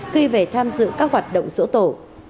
khi về tham dự các hoạt động dỗ tổ